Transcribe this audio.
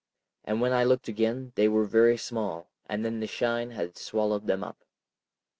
And when I looked again they were very small, and then the shine had swallowed them up.